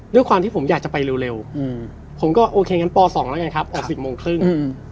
ด้วยความที่ผมอยากจะไปเร็วผมก็โอเคงั้นป๒แล้วไงครับออก๑๐โมงครึ่ง